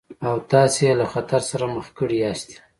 او تاسې يې له خطر سره مخ کړي ياستئ.